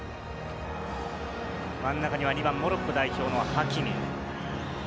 真ん中には２番、モロッコ代表のハキミ。